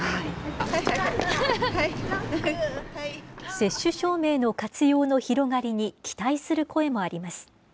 接種証明の活用の広がりに期待する声もあります。